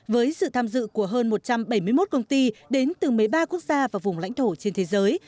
với sự tham dự của hơn một trăm bảy mươi một công ty đến từ một mươi ba quốc gia và vùng lãnh thổ trên thế giới